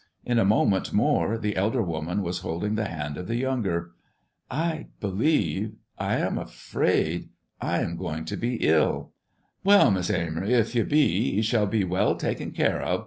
In a moment more the elder woman was holding the hand of the younger. "I believe I am afraid I am going to be ill." "Well, Miss Amory, 'f you be, you shall be well taken care of.